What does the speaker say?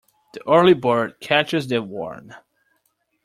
The early bird catches the worm.